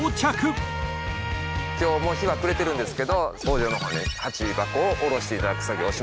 今日もう日は暮れてるんですけど蜂場の方にハチ箱をおろしていただく作業をします。